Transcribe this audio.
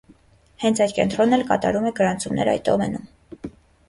Հենց այդ կենտրոնն էլ կատարում է գրանցումներ այդ դոմենում։